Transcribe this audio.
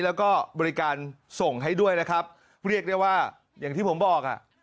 แล้วก็บริการส่งให้ด้วยนะครับเรียกได้ว่าอย่างที่ผมบอกอ่ะ